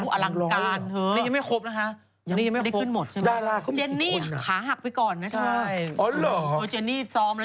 เป็นแฟนอะไรเหมือนกันดรารากี่คนที่ขึ้นคอนเสิร์ตอ่ะ